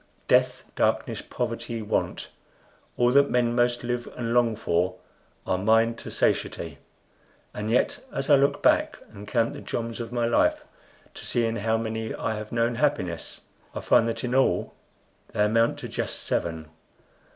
Death, darkness, poverty, want, all that men most live and long for, are mine to satiety; and yet, as I look back and count the joms of my life to see in how many I have known happiness, I find that in all they amount to just seven!